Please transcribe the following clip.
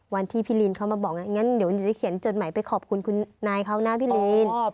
วันที่พี่ลีนเขามาบอกงั้นเดี๋ยวจะเขียนจดหมายไปขอบคุณคุณนายเขานะพี่ลีน